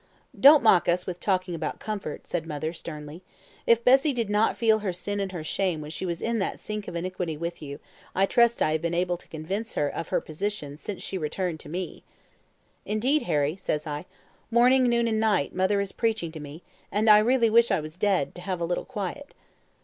"'Don't mock us with talking about comfort,' said mother, sternly. 'If Bessie did not feel her sin and her shame when she was in that sink of iniquity with you, I trust I have been able to convince her of her position since she returned to me.' "'Indeed, Harry,' says I, 'morning, noon, and night, mother is preaching to me, and I really wish I was dead, to have a little quiet.'